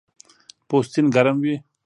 پوستین ګرم وي